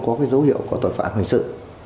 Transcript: có dấu hiệu của tội phạm hình sự